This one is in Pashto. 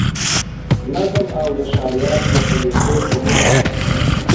نظم او د ښاريانو د خوندیتوب په موخه